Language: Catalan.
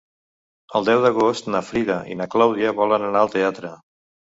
El deu d'agost na Frida i na Clàudia volen anar al teatre.